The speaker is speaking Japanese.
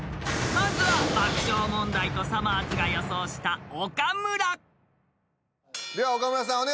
［まずは爆笑問題とさまぁずが予想した］では岡村さん